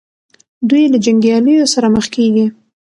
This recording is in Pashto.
دوی له جنګیالیو سره مخ کیږي.